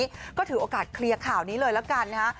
แล้วก็ถือโอกาสเคลียร์ข่าวนี้เลยละกันนะฮะ